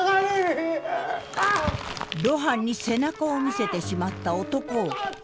露伴に背中を見せてしまった男を異変が襲う。